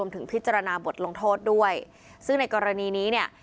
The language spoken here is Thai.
ถึงพิจารณาบทลงโทษด้วยซึ่งในกรณีนี้เนี่ย